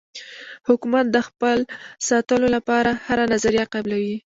حکومت د خپل ساتلو لپاره هره نظریه قبلوي.